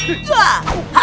tidak ada apa apa